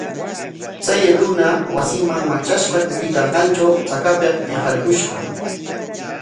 Chay runa wasinman matrashqa kutiykanqantraw chakapik hiqarpushqa.